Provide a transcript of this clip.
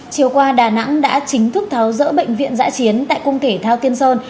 chiều qua đà nẵng đã chính thức tháo rỡ bệnh viện giã chiến tại cung thể thao tiên sơn